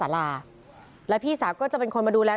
สาราแล้วพี่สาวก็จะเป็นคนมาดูแล